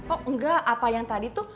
oh enggak apa yang tadi tuh